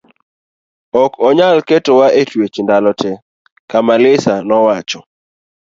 ok onyal keto wa e twech ndalo te, Kamaliza nowacho